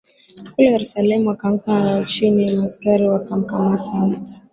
kule Yerusalemu akaanguka chini Maaskari wakamkamata mtu